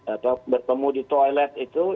atau bertemu di toilet itu